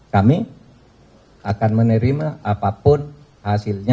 kami akan menerima apapun hasilnya